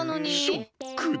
ショックだ。